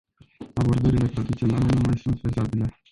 Abordările tradiționale nu mai sunt fezabile.